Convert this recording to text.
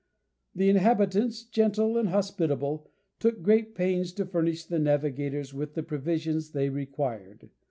The inhabitants, gentle and hospitable, took great pains to furnish the navigators with the provisions they required.